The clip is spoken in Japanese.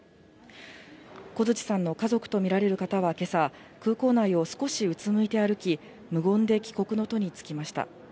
小槌さんの家族とみられる方は今朝、空港内を少しうつむいて歩き、無言で帰国の途につきました。